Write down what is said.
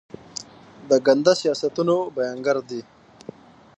د ګنده سیاستونو بیانګر دي.